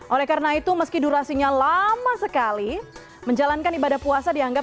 oleh karena itu meski durasinya lama sekali menjalankan ibadah puasa dianggap